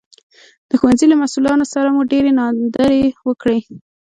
د ښوونځي له مسوولانو سره مو ډېرې ناندرۍ وکړې